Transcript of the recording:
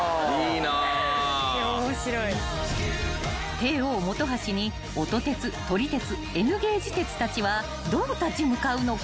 ［帝王本橋に音鉄撮り鉄Ｎゲージ鉄たちはどう立ち向かうのか］